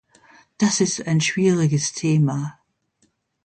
Das ist ein schwieriges Thema.